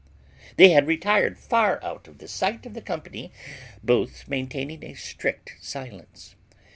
They had retired far out of the sight of the company, both maintaining a strict silence.